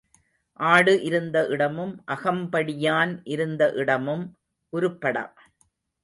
ஆடு இருந்த இடமும் அகம்படியான் இருந்த இடமும் உருப்படா.